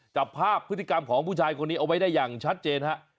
จับภาพพฤติกรรมของผู้ชายคนนี้เอาไว้ได้อย่างชัดเจนฮะ